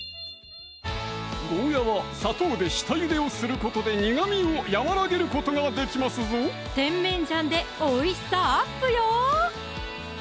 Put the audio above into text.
ゴーヤは砂糖で下ゆでをすることで苦味を和らげることができますぞ甜麺醤でおいしさアップよ！